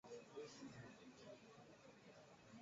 ili aweze kuzungumzia uidhinishaji huo mpya